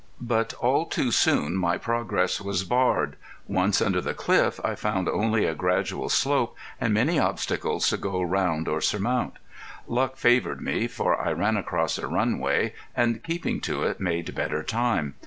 But all too soon my progress was barred; once under the cliff I found only a gradual slope and many obstacles to go round or surmount. Luck favored me, for I ran across a runway and keeping to it made better time.